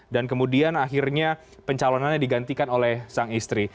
dan kemudian akhirnya pencalonannya digantikan oleh sang istri